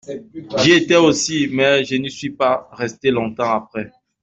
J'y étais aussi ; mais je n'y suis pas resté longtemps après.